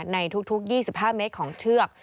ในทุก๒๕เมตรของเชือก